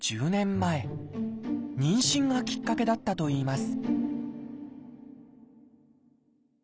妊娠がきっかけだったといいます